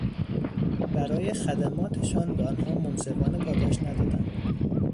برای خدماتشان به آنها منصفانه پاداش ندادند.